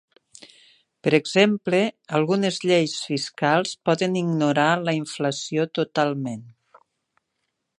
Per exemple, algunes lleis fiscals poden ignorar la inflació totalment.